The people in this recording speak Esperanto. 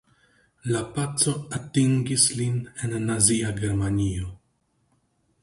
La paco atingis lin en nazia Germanio.